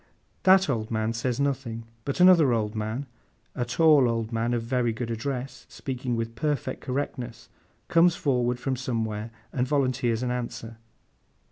That old man says nothing; but another old man, a tall old man of very good address, speaking with perfect correctness, comes forward from somewhere, and volunteers an answer.